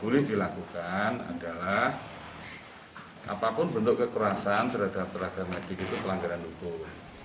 boleh dilakukan adalah apapun bentuk kekerasan terhadap terhadap lagi gitu pelanggaran hukum